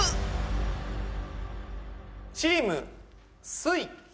チームすイ